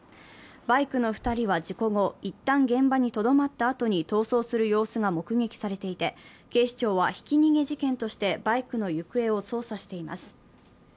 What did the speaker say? バイクの２人は事故後、一旦現場にとどまったあとに逃走する様子が目撃されていて、警視庁はひき逃げ事件としてバイクの行方を捜査しています。